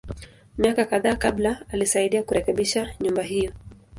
Miaka kadhaa kabla, alisaidia kurekebisha nyumba hiyo.